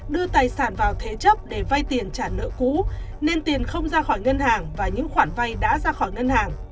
đưa tài sản vào thế chấp để vay tiền trả nợ cũ nên tiền không ra khỏi ngân hàng và những khoản vay đã ra khỏi ngân hàng